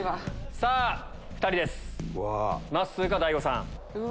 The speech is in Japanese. さぁ２人ですまっすーか大悟さん。